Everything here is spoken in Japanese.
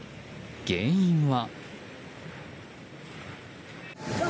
原因は。